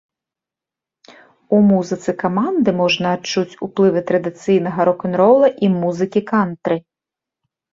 У музыцы каманды можна адчуць уплывы традыцыйнага рок-н-рола і музыкі кантры.